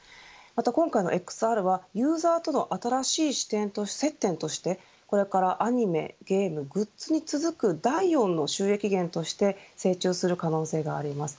今回のＸＲはユーザーとの新しい接点としてこれからアニメゲーム、グッズに続く第４の収益源として成長する可能性があります。